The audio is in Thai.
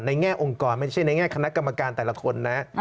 แง่องค์กรไม่ใช่ในแง่คณะกรรมการแต่ละคนนะ